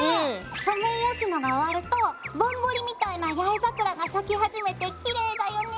ソメイヨシノが終わるとぼんぼりみたいな八重桜が咲き始めてきれいだよね。